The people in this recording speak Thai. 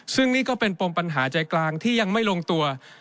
ซึ่งนี่ก็เป็นปมปัญหาใจกลางที่ยังไม่ลงตัว